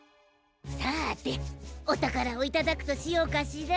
さておたからをいただくとしようかしら。